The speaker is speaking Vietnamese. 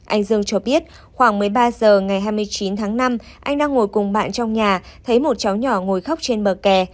anh dương cho biết khoảng một mươi ba h ngày hai mươi chín tháng năm anh đang ngồi cùng bạn trong nhà thấy một cháu nhỏ ngồi khóc trên bờ kè